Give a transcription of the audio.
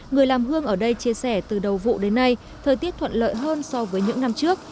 người làm hương ở đây chia sẻ từ đầu vụ đến nay thời tiết thuận lợi hơn so với những năm trước